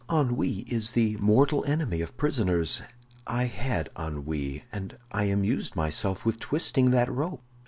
"Ennui is the mortal enemy of prisoners; I had ennui, and I amused myself with twisting that rope."